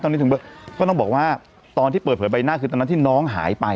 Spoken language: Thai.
ตอนนี้ถึงก็ต้องบอกว่าตอนที่เปิดเผยใบหน้าคือตอนนั้นที่น้องหายไป